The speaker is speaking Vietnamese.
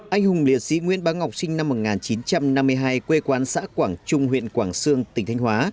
anh hùng liệt sĩ nguyễn báo ngọc sinh năm một nghìn chín trăm năm mươi hai quê quán xã quảng trung huyện quảng sương tỉnh thanh hóa